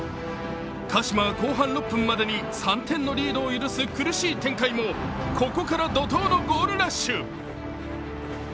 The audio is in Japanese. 鹿島、後半６分までに３点のリードを許す苦しい展開もここから怒とうのゴールラッシュ。